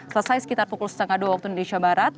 selesai sekitar pukul setengah dua waktu indonesia barat